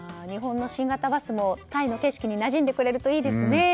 日本の新型バスもタイの景色になじんでくれるといいですね。